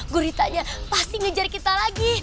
guritanya pasti ngejar kita lagi